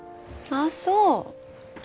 ああそう。